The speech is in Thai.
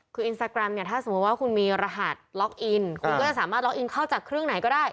คืออินสตาแกรมเนี่ยถ้าสมมุติว่าคุณมีรหัสล็อกอินคุณก็จะสามารถล็อกอินเข้าจากเครื่องไหนก็ได้